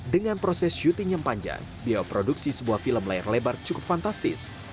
dengan proses syuting yang panjang biaya produksi sebuah film layar lebar cukup fantastis